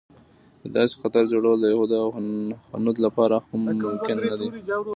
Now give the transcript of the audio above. د داسې خطر جوړول د یهود او هنود لپاره هم ممکن نه دی.